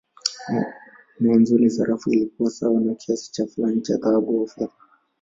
Mwanzoni sarafu ilikuwa sawa na kiasi fulani cha dhahabu au fedha.